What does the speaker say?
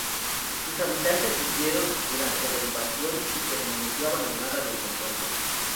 Sus habitantes huyeron durante la invasión y ha permanecido abandonada desde entonces.